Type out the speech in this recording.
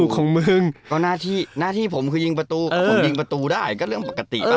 ก็หน้าที่ผมคือยิงประตูผมยิงประตูได้ก็เรื่องปกติป่ะ